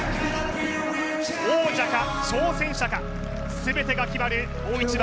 王者か挑戦者か、全てが決まる大一番。